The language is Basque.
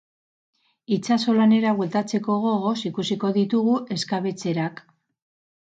Itsaso lanera bueltatzeko gogoz ikusiko ditugu eskabetxerak.